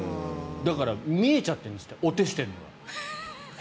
だから見えちゃってるんですってお手してるのが。